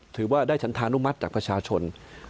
ถือว่าได้ฉันธานุมัติจากประชาชน